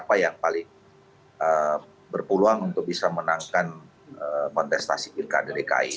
apa yang bisa kita lakukan untuk menangkan kontestasi dki